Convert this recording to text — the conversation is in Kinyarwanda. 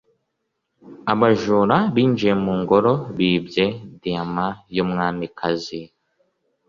abajura binjiye mu ngoro bibye diyama y'umwamikazi